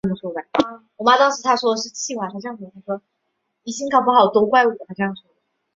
纳哈出被迫投降。